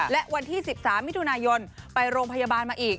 และวันที่๑๓มิถุนายนไปโรงพยาบาลมาอีก